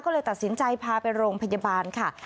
ก็เลยตัดสินใจพาไปโรงพยาบาลค่ะ